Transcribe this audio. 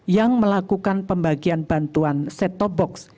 yang melakukan pembagian bantuan set top box